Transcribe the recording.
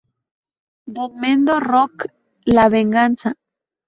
Don Mendo Rock ¿La venganza?